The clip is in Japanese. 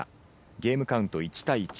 ゲームカウント１対１。